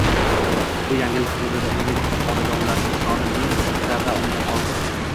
Bu yangilik hududida umumiy xonadonlarning soni ming ta va undan ortiq